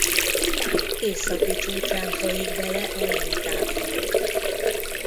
Északi csúcsán folyik bele a Jordán folyó.